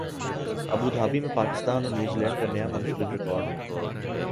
Abu Dhabi میں پاکستان اور New Zealand کا نیا منفرد ریکارڈ